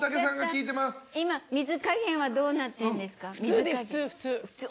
水加減はどうなってるんですか？